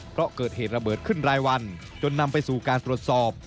เพราะเกิดเหตุระเบิดขึ้นรายวันจนนำไปสู่การตรวจสอบ